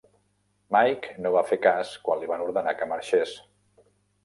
Mike no va fer cas quan li van ordenar que marxés.